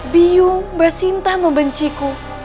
biyu mbak sinta membenciku